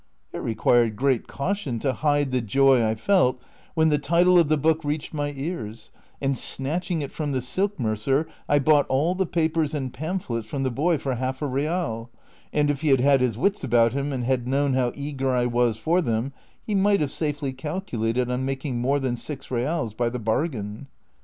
'' It required great caution to hide the joy I felt when the title of the book reached my ears, and snatching it from the silk mercer, I bought all the papers and i)amphlets from the boy for half a real ; and if lie had liad his wits about him and had known how eager I was for them, he might have safely calculated on making more than six reals by the bargain.